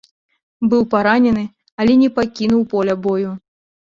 Быў паранены, але не пакінуў поля бою.